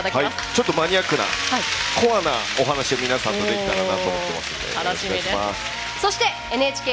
ちょっとマニアックなコアなお話を皆さんとできたらなと思っています。